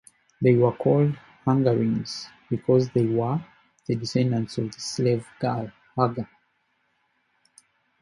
They were called "Hagarenes" because they were "the descendants of the slave-girl Hagar".